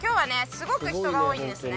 すごく人が多いんですね。